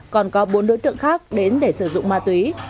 còn có bốn đối tượng khác đến để sử dụng ma túy